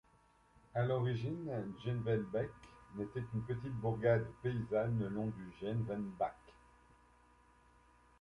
À l'origine, Gievenbeck n'était qu'une petite bourgade paysanne le long du Gievenbach.